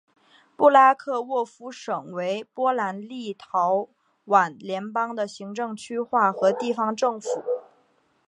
布拉克沃夫省为波兰立陶宛联邦的行政区划和地方政府。